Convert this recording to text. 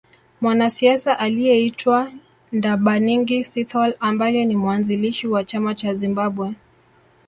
Mwanasiasa aliyeitwa Ndabaningi Sithole ambaye ni mwanzilishi wa chama cha Zimbabwe